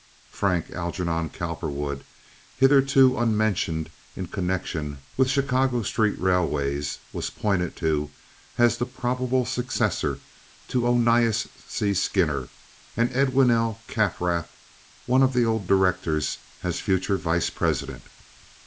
Frank Algernon Cowperwood, hitherto unmentioned in connection with Chicago street railways, was pointed to as the probable successor to Onias C. Skinner, and Edwin L. Kaffrath, one of the old directors, as future vice president.